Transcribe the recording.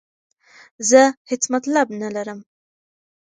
زه هیڅ مطلب نه لرم.